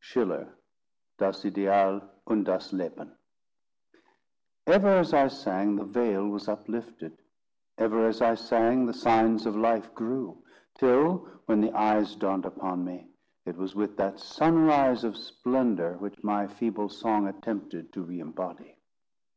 SCHILLER, Das Ideal und das Leben. Ever as I sang, the veil was uplifted; ever as I sang, the signs of life grew; till, when the eyes dawned upon me, it was with that sunrise of splendour which my feeble song attempted to re imbody.